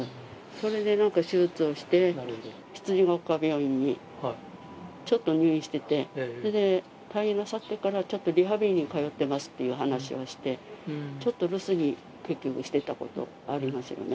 それでなんか手術をして、羊ケ丘病院にちょっと入院してて、それで退院なさってから、ちょっとリハビリに通ってますって話をして、ちょっと留守にしてたことありますよね。